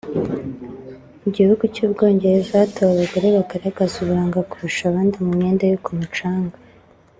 Mu gihuugu cy’Ubwongereza hatowe abagore bagaragaza uburanga kurusha abandi mu myenda yo ku mucanga